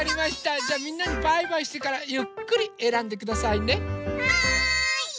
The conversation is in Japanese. じゃあみんなにバイバイしてからゆっくりえらんでくださいね。